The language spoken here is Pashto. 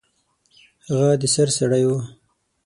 هغه د سر سړی و.